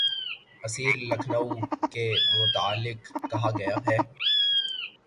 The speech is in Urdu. اسیر لکھنوی کے متعلق کہا گیا ہے